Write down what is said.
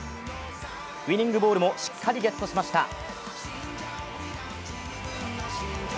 ウイニングボールもしっかりゲットしました。